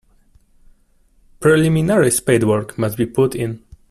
Preliminary spadework must be put in.